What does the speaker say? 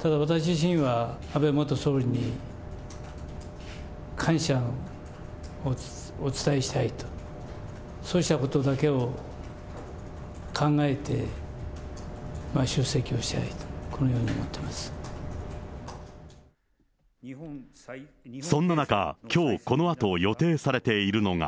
ただ私自身は安倍元総理に、感謝をお伝えしたいと、そうしたことだけを考えて、出席をしたいと、そんな中、きょうこのあと予定されているのが。